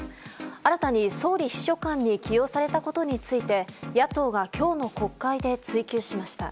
新たに総理秘書官に起用されたことについて野党が今日の国会で追及しました。